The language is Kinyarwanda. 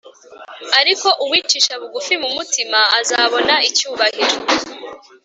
ariko uwicisha bugufi mu mutima azabona icyubahiro